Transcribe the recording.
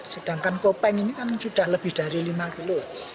sedangkan kopeng ini kan sudah lebih dari lima km